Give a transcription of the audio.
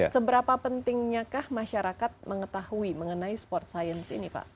seberapa pentingnyakah masyarakat mengetahui mengenai sport science ini pak